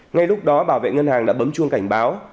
ngay lúc đó bảo vệ ngân hàng đã bấm chuông cảnh báo